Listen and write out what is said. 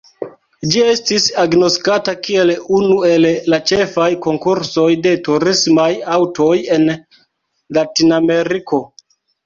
Ĝi estis agnoskata kiel unu el la ĉefaj konkursoj de turismaj aŭtoj en Latinameriko.